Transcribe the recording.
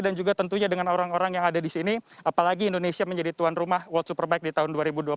dan juga tentunya dengan orang orang yang ada di sini apalagi indonesia menjadi tuan rumah world superbike di tahun dua ribu dua puluh satu